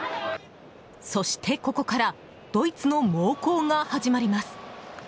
そしてここからドイツの猛攻が始まります。